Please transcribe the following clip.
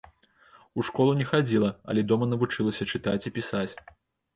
У школу не хадзіла, але дома навучылася чытаць і пісаць.